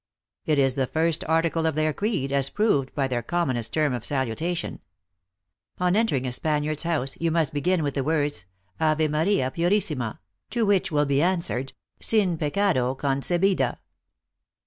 It is the first article of their creed, as proved by their commonest term of salutation. On entering a Spaniard s house, you must begin with the words, Ave Maria Purissima] to which will be answered, ^ Sin pecado concebida?